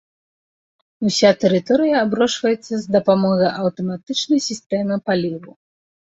Уся тэрыторыя аброшваецца з дапамогай аўтаматычнай сістэмы паліву.